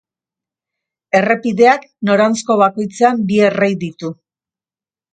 Errepideak noranzko bakoitzean bi errei ditu.